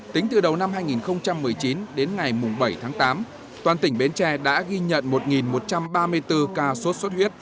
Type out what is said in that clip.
tính từ đầu năm hai nghìn một mươi chín đến ngày bảy tháng tám toàn tỉnh bến tre đã ghi nhận một một trăm ba mươi bốn ca sốt xuất huyết